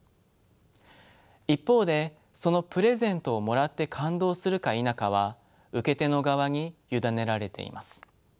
一方でそのプレゼントをもらって感動するか否かは受け手の側に委ねられています。